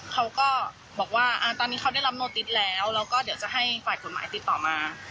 เขาก็บอกว่าตอนนี้เขาได้รับโนติสแล้วแล้วก็เดี๋ยวจะให้ฝ่ายกฎหมายติดต่อมา